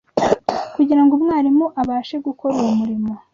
Kugira ngo umwarimu abashe gukora uwo murimo